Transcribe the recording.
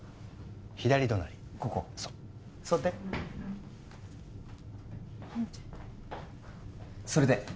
左隣ここそう座ってそれで？